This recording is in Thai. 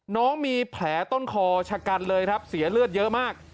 น้องมีแผลต้นคอชะกันเลยครับเสียเลือดเยอะมาก